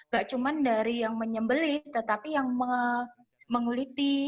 gak cuma dari yang menyembeli tetapi yang menguliti